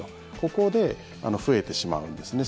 ここで増えてしまうんですね。